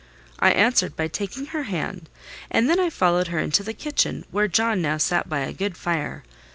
I answered by taking her hand; and then I followed her into the kitchen, where John now sat by a good fire.